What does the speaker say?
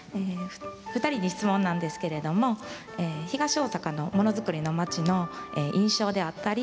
２人に質問なんですけれど東大阪のものづくりの町の印象だったり